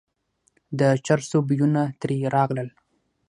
د چرسو بویونه ترې راغلل.